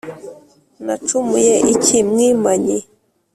Nacumuye iki Mwimanyi